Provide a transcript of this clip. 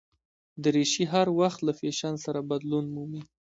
دریشي هر وخت له فېشن سره بدلون مومي.